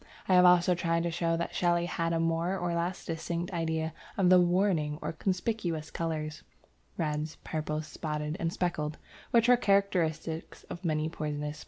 I have also tried to show that Shelley had a more or less distinct idea of the "warning" or conspicuous colours (reds, purples, spotted, and speckled) which are characteristic of many poisonous plants (see p.